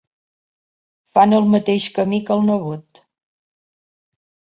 Fan el mateix camí que el nebot.